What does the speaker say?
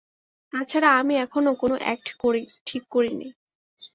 তাছাড়া আমি এখনো কোনো অ্যাক্ট ঠিক করিনি।